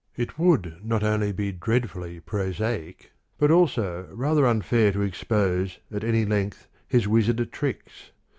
It would not only be dreadfully THE NEW POETRY, ETC. 225 prosaic, but also rather unfair to expose at any length his wizard tricks.